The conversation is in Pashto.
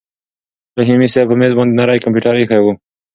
رحیمي صیب په مېز باندې نری کمپیوټر ایښی و.